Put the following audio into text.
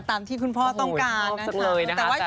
ตามที่คุณพ่อต้องการนะคะ